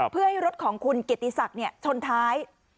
เพื่อให้รถของคุณเกียรติศักดิ์ชนท้าย